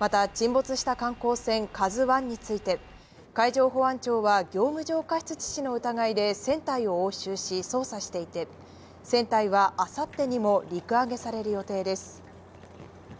また沈没した観光船「ＫＡＺＵ１」について海上保安庁は業務上過失致死の疑いで船体を押収し捜査していて船体は明後日にも陸揚げされる予定です。